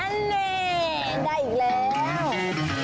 นี่ได้อีกแล้ว